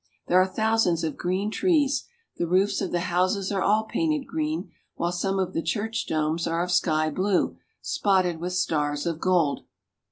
There are thousands of green trees, the roofs of the houses are all painted green, while some of the church domes are of sky blue, spotted with stars of gold.